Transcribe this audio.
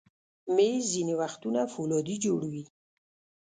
مېز ځینې وخت فولادي جوړ وي.